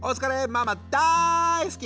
ママだいすき！！